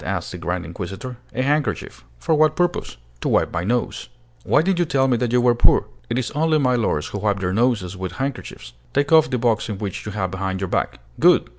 asked the grand inquisitor. "A handkerchief." "For what purpose?" "To wipe my nose." "Why did you tell me that you were poor? It is only milords who wipe their noses with handkerchiefs. Take off the box which you have behind your back. Good!